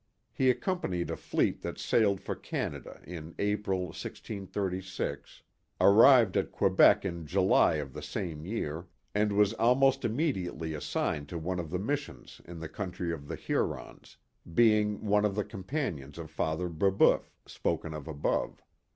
He accompanied a fleet that sailed for Canada in April, 1636, arrived at Quebec in July of the same year, and was almost immediately assigned to one of the missions in the country of the Hurons, being one of the companions of Father Brebeuf, spoken of above.